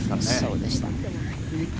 そうでした。